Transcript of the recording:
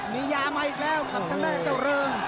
มียามาอีกแล้วกับทางด้านเจ้าเริง